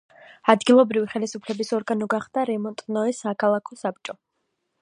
ადგილობრივი ხელისუფლების ორგანო გახდა რემონტნოეს საქალაქო საბჭო.